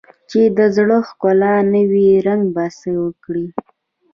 چې د زړه ښکلا نه وي، زنګ به څه وکړي؟